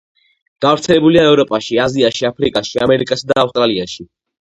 გავრცელებულია ევროპაში, აზიაში, აფრიკაში, ამერიკასა და ავსტრალიაში.